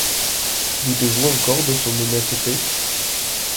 Doutez-vous encore de son honnêteté?